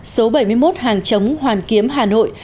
số bảy mươi một hàng chống hoàn kiếm hà nội